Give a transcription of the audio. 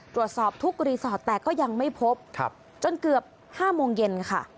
ตรวจสอบทุกรีสอร์ทแต่ก็ยังไม่พบจนเกือบ๕โมงเย็นค่ะ